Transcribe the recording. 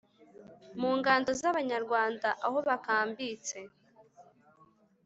mungando zabanyarwanda aho bakambitse